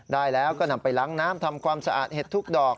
ได้แล้วก็นำไปล้างน้ำทำความสะอาดเห็ดทุกดอก